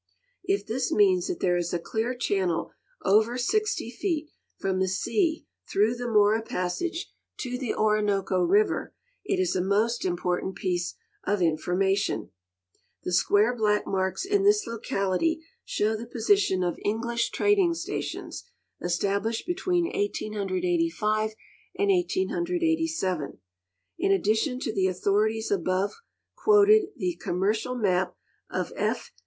If this means that there is a clear channel over 60 feet from the sea through the iMora passage to the Orinoco river, it is a most important piece of infor mation. The square black marks in this locality show the position of English trading stations, established between 1885 and 1887. Iti addition to the authorities above quoted, the " commercial " map of F.